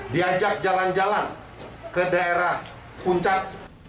diajak jalan jalan ke daerah puncak